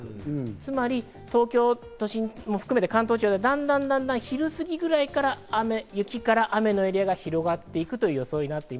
つまり東京都心も含めて、関東地方ではだんだん昼過ぎぐらいから雨、雪から雨のエリアが広がっていくという予想。